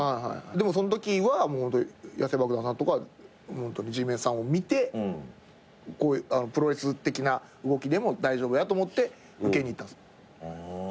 でもそのときはホント野性爆弾さんとかＧ★ＭＥＮＳさんを見てプロレス的な動きでも大丈夫やと思って受けに行ったんですよ。